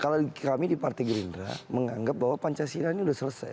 kalau kami di partai gerindra menganggap bahwa pancasila ini sudah selesai